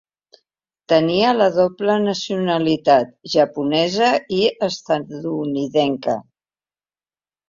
Tenia la doble nacionalitat japonesa i estatunidenca.